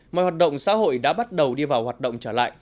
mọi hoạt động xã hội đã bắt đầu đi vào hoạt động trở lại